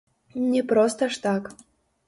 Не проста ж так.